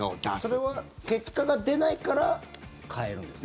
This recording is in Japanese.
それは結果が出ないから変えるんですか？